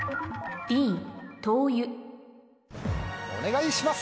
お願いします！